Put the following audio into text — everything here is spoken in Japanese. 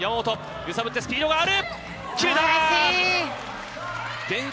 揺さぶって、スピードがある。